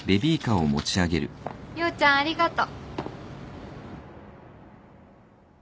陽ちゃんありがと。